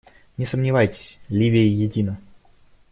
Не сомневайтесь, Ливия едина.